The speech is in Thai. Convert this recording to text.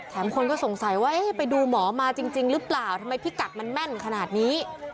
คนก็สงสัยว่าไปดูหมอมาจริงหรือเปล่าทำไมพิกัดมันแม่นขนาดนี้